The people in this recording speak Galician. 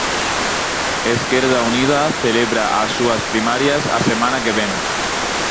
Esquerda Unida celebra as súas primarias a semana que vén.